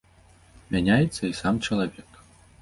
Мяняецца і сам чалавек.